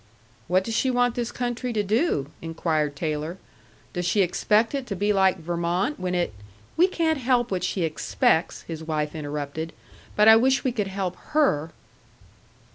"What does she want this country to do?" inquired Taylor. "Does she expect it to be like Vermont when it " "We can't help what she expects," his wife interrupted. "But I wish we could help HER."